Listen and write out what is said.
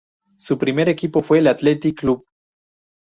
Su primer equipo fue el Athletic Club.